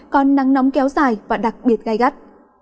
còn nắng nóng kéo dài và đặc biệt gai gắt